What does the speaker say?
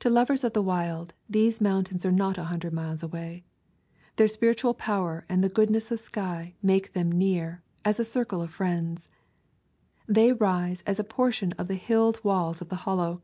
To lovers of the wild, these moun tains are not a hundred miles away. Their spiritual power and the goodness of the sky make them near, as a circle of friends. They rise as a portion of the hilled walls of the Hollow.